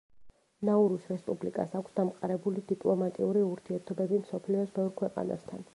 ნაურუს რესპუბლიკას აქვს დამყარებული დიპლომატიური ურთიერთობები მსოფლიოს ბევრ ქვეყანასთან.